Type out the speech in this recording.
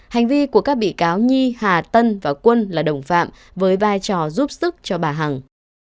hành vi của các bị cáo nhi hà tân và quân là đồng phạm với vai trò giúp sức cho bà hằng